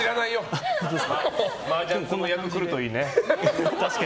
マージャン積む役来るといいね。